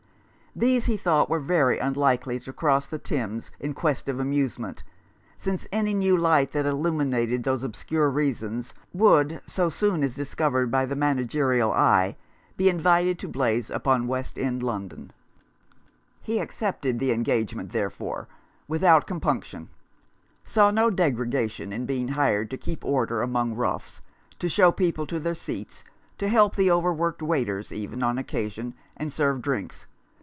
These he thought were very unlikely to cross the Thames in quest of amusement, since any new light that illumined those obscure regions would, so soon as discovered by the managerial eye, be invited to blaze upon West End London. 34 A Fellow feeling. He accepted the engagement, therefore, without compunction ; saw no degradation in being hired to keep order among roughs, to show people to their seats, to help the over worked waiters even, on occasion, and serve drinks.